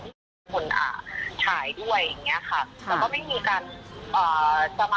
ในระหว่างที่ถ่ายทำเนี้ยก็มีแฟนเขาด้วยเพื่อนในวงเขาอะค่ะ